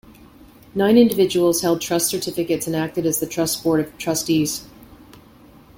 Nine individuals held trust certificates and acted as the trust's board of trustees.